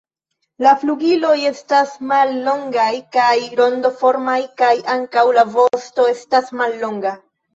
La flugiloj estas mallongaj kaj rondoformaj, kaj ankaŭ la vosto estas mallonga.